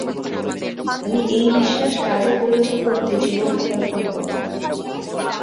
আমি এই বিশ্বাস কাজে পরিণত করতে জীবনক্ষয় করব।